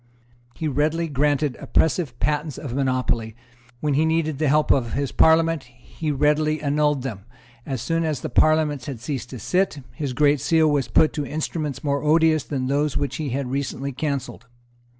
He readily granted oppressive patents of monopoly. When he needed the help of his Parliament, he as readily annulled them. As soon as the Parliament had ceased to sit, his Great Seal was put to instruments more odious than those which he had recently cancelled.